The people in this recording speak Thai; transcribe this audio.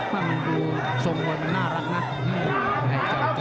มันดูทรงมวยมันน่ารักนะ